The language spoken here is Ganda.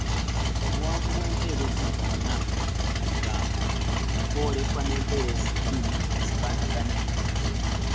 Obuwanvu bw’empeerezi bwonna mu kigambo bwolekwa n’empeerezi bbiri ezifaanagana.